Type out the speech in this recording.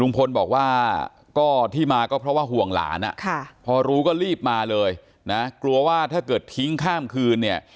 บอกว่าก็ที่มาก็เพราะว่าห่วงหลานพอรู้ก็รีบมาเลยนะกลัวว่าถ้าเกิดทิ้งข้ามคืนเนี่ย